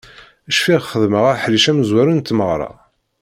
Cfiɣ xedmeɣ aḥric amezwaru n tmeɣra.